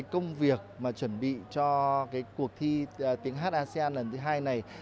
công việc chuẩn bị cho cuộc thi tiếng hát asean lần thứ hai này